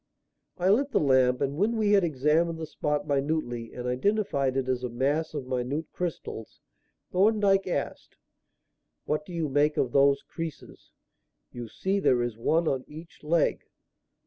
I lit the lamp, and when we had examined the spot minutely and identified it as a mass of minute crystals, Thorndyke asked: "What do you make of those creases? You see there is one on each leg."